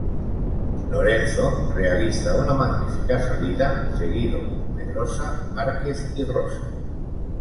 Lorenzo realiza una magnífica salida seguido por Pedrosa, Márquez y Rossi.